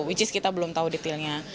which is kita belum tahu detailnya